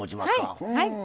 はい。